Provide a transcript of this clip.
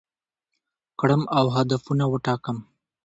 کړم او هدفونه وټاکم،